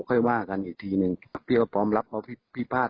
ค่อยว่ากันอีกทีหนึ่งพี่ก็พร้อมรับเพราะพี่พลาด